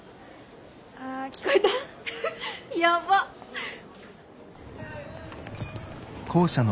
あ聞こえた？